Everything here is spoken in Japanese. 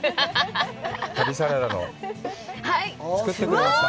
旅サラダの作ってくれました。